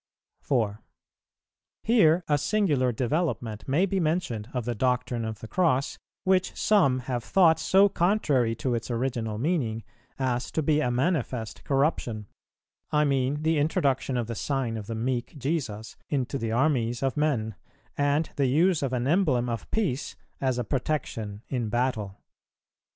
4. Here a singular development may be mentioned of the doctrine of the Cross, which some have thought so contrary to its original meaning,[422:1] as to be a manifest corruption; I mean the introduction of the Sign of the meek Jesus into the armies of men, and the use of an emblem of peace as a protection in battle.